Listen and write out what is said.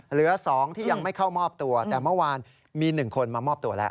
เหลือ๒ที่ยังไม่เข้ามอบตัวแต่เมื่อวานมี๑คนมามอบตัวแล้ว